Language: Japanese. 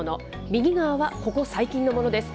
右側はここ最近のものです。